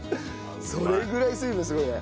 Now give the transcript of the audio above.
それぐらい水分すごいね。